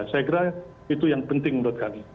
saya kira itu yang penting menurut kami